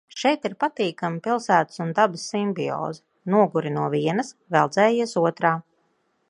Šeit ir patīkama pilsētas un dabas simbioze – noguri no vienas, veldzējies otrā.